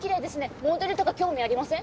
モデルとか興味ありません？